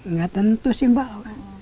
nggak tentu sih mbak